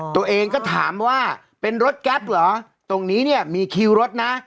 ตัวเองก็ถามว่าเป็นรถแก๊ปเหรอตรงนี้เนี่ยมีคิวรถนะ